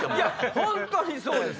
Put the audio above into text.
本当にそうです。